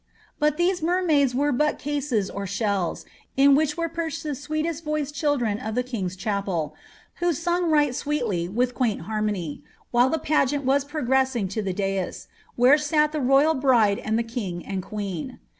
But these mermaids were but cases or shells, in which were perched the sweetest voiced children of the king's chapel, ^^who sung right sweetly, with quaint harmony," while tlie pageant was progressing to the dais, where sat the royal bride and the king and queen.